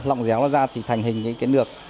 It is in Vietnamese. lọng déo nó ra thì thành hình những cái lược